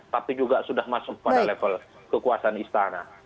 tapi juga sudah masuk pada level kekuasaan istana